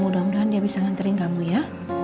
mudah mudahan dia bisa nganterin kamu ya